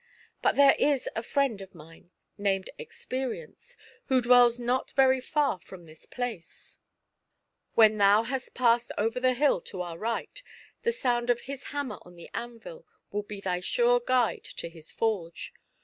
But there is a friend of mine, named Experience, who dwells not very far from this place ; when thou hast passed over the hill to our right, the sound of his hammer on the anvil will be thy sure guide to his forge.